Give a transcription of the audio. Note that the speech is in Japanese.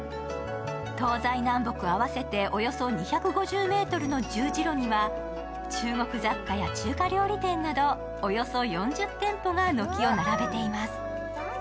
東西南北合わせておよそ２５０ｍの十字路には中国雑貨や中華料理店など、およそ４０店舗が軒をならべています。